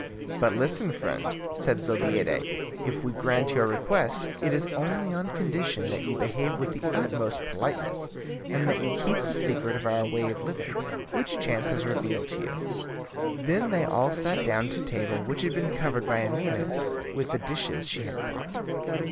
"But listen, friend," said Zobeida, "if we grant your request, it is only on condition that you behave with the utmost politeness, and that you keep the secret of our way of living, which chance has revealed to you." Then they all sat down to table, which had been covered by Amina with the dishes she had bought.